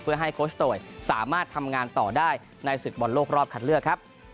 เพื่อให้โคชโตยสามารถทำงานต่อได้ในศึกบอลโลกรอบคัดเลือกครับ